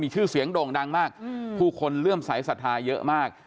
มีชื่อเสียงด่องดังมากผู้คนเลื่อมใสสถาเยอะมาก